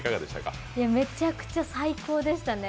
めちゃくちゃ最高でしたね。